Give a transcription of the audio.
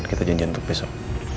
kita janjian untuk besok